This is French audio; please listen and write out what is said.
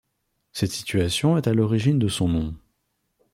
Cette situation est à l'origine de son nom.